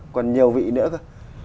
còn nhiều vị nữa cơ